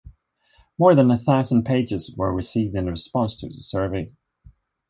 More than a thousand pages were received in response to the survey.